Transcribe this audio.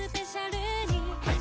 はい。